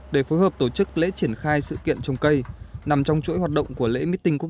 để phối hợp tổ chức lễ triển khai sự kiện trồng cây